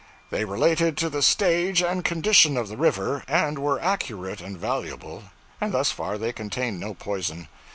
They related to the stage and condition of the river, and were accurate and valuable; and thus far, they contained no poison.